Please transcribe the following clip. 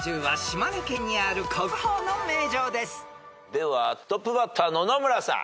ではトップバッター野々村さん。